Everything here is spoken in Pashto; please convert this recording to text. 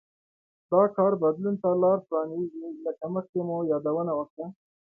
دا کار بدلون ته لار پرانېزي لکه مخکې مو یادونه وکړه